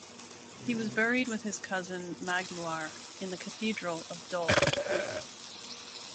He was buried with his cousin Magloire in the cathedral of Dol.